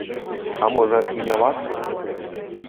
А можа, і не варта?